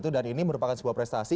dan ini merupakan sebuah prestasi